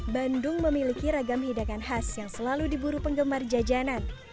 bandung memiliki ragam hidangan khas yang selalu diburu penggemar jajanan